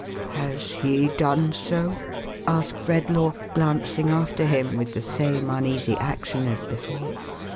" Has lie done so ?" asked Redlaw, glancing after him with the same uneasy action as before.